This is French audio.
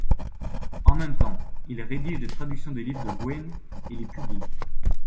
En même temps, il rédige des traductions des livres de Boehme et les publie.